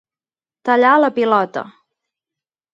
Tallar la pilota.